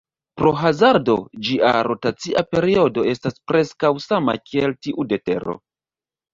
Pro hazardo, ĝia rotacia periodo estas preskaŭ sama kiel tiu de Tero.